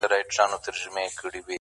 قلندر ته کار مهم د تربیت وو٫